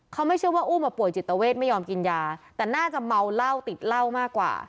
เขาไม่เชื่อว่าอุ้มป่วยจิตเวทไม่ยอมกินยาแต่น่าจะเมาเหล้าติดเหล้ามากกว่า